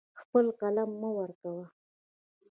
خپل قلم مه ورکوه.